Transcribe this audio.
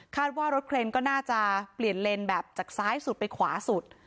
ว่ารถเครนก็น่าจะเปลี่ยนเลนแบบจากซ้ายสุดไปขวาสุด